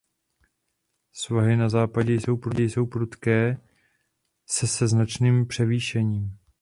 Svahy na západě a východě jsou prudké se se značným převýšením.